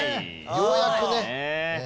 ようやくね。